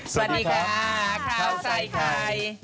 สวัสดีครับเข้าใส่ใคร